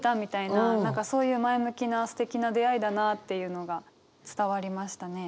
何かそういう前向きなすてきな出会いだなっていうのが伝わりましたね。